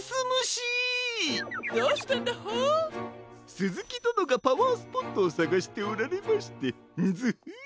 すずきどのがパワースポットをさがしておられましてンヅフッ！